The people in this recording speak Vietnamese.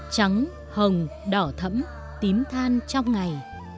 trắng hồng đỏ thẫm tím than trong ngày